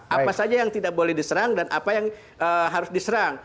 apa saja yang tidak boleh diserang dan apa yang harus diserang